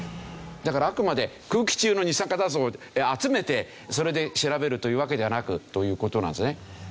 だからあくまで空気中の二酸化炭素を集めてそれで調べるというわけではなくという事なんですよね。